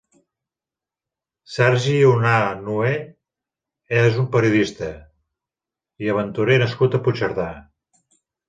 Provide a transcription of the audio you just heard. Sergi Unanue és un periodista i aventurer nascut a Puigcerdà.